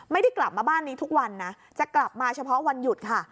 ไม่ได้กลับมาบ้านนี้ทุกวันนะจะกลับมาเฉพาะวันหยุดค่ะ